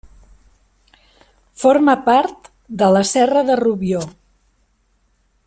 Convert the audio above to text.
Forma part de la Serra de Rubió.